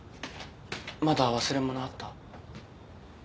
まだ忘れ物あった？